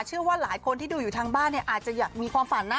เชื่อว่าหลายคนที่ดูอยู่ทางบ้านเนี่ยอาจจะอยากมีความฝันนะ